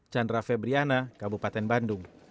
chandra febriana kabupaten bandung